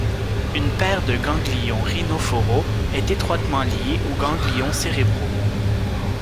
Une paire de ganglions rhinophoraux est étroitement liée aux ganglions cérébraux.